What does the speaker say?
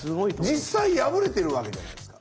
実際破れてるわけじゃないですか。